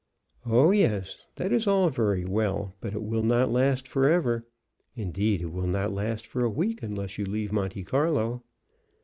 "Oh, yes, that is all very well but it will not last forever. Indeed, it will not last for a week unless you leave Monte Carlo."